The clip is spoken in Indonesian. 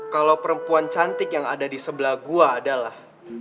kalau perempuan cantik yang ada di sebelah gue adalah